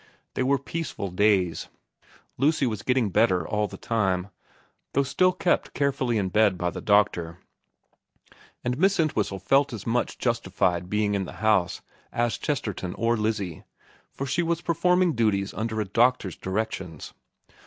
They were peaceful days. Lucy was getting better all the time, though still kept carefully in bed by the doctor, and Miss Entwhistle felt as much justified in being in the house as Chesterton or Lizzie, for she was 322 XXIX VERA 323 performing duties under a doctor's directions.